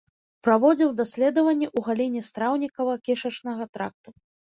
Праводзіў даследаванні ў галіне страўнікава-кішачнага тракту.